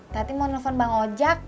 tati mau telepon bang ojak